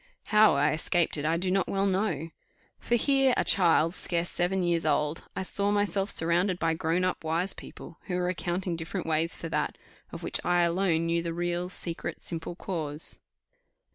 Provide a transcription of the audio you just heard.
How I escaped it, I do not well know. For here, a child scarce seven years old, I saw myself surrounded by grown up wise people, who were accounting different ways for that, of which I alone knew the real, secret, simple cause.